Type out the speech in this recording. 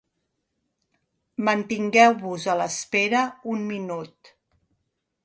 Mantingueu-vos a l'espera un minut.